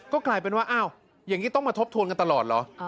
ก็กลายเป็นว่าอ้าวอย่างนี้ต้องมาทบทวนกันตลอดเหรอ